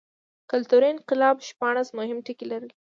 کلتوري انقلاب شپاړس مهم ټکي لرل.